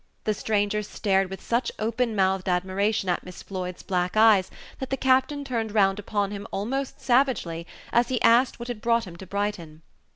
The stranger stared with such open mouthed admiration at Miss Floyd's black eyes that the captain turned round upon him almost savagely as he asked what had brought him to Brighton.